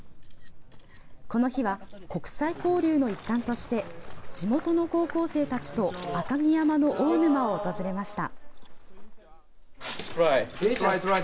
この日は国際交流の一環として地元の高校生たちと赤城山の大沼を訪れました。